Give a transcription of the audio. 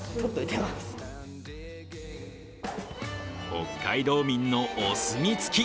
北海道民のお墨付き。